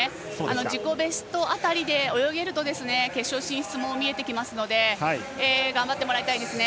自己ベスト辺りで泳げると決勝進出も見えてきますので頑張ってもらいたいですね。